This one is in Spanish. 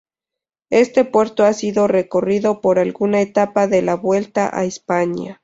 Este puerto ha sido recorrido por alguna etapa de la vuelta a España.